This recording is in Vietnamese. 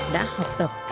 đã học tập